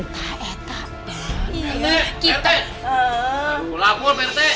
tak eh tak pak rete